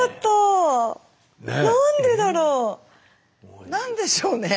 なんでだろう⁉なんでしょうね？